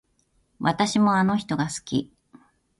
私もあの人が好き